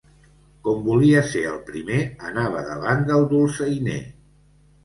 Com volia ser el primer, anava davant del dolçainer.